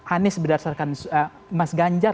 anies berdasarkan mas ganjar